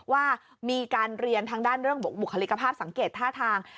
ว่ามีการเรียนทางด้านเรื่องบุคลิกภาพสังเกตท่าทาง